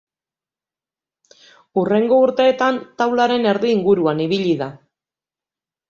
Hurrengo urteetan taularen erdi inguruan ibili da.